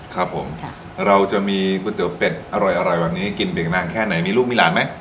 ครับผมเราจะมีก๋วยเตี๋ยวเป็ดอร่อยแบบนี้กินไปอีกนานแค่ไหนมีลูกมีหลานไหม